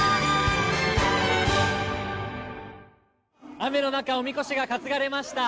雨の中おみこしが担がれました。